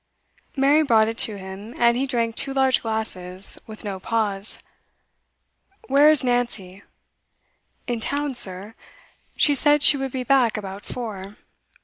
Mary brought it to him, and he drank two large glasses, with no pause. 'Where is Nancy?' 'In town, sir. She said she would be back about four.